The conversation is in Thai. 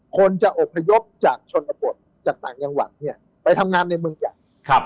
คนจะอพยพจากชนบทจากต่างยังหวังไปทำงานในเมืองใหญ่